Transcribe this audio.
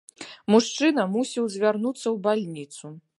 Мужчына мусіў звярнуцца ў бальніцу.